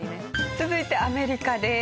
続いてアメリカです。